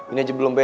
ini aja belum beres